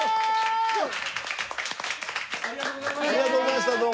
ありがとうございましたどうも。